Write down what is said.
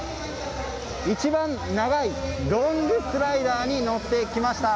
一番長いロングスライダーに乗ってきました。